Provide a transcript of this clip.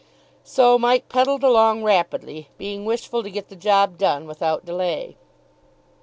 So Mike pedalled along rapidly, being wishful to get the job done without delay.